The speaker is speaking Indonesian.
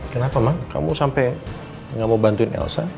kenapa ma kamu sampai gak mau bantuin elsa